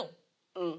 うん。